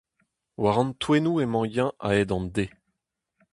War an toennoù emañ-eñ a-hed an deiz.